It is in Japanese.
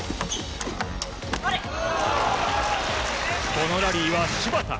このラリーは芝田。